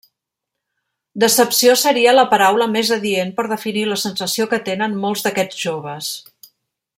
Decepció seria la paraula més adient per definir la sensació que tenen molts d'aquests joves.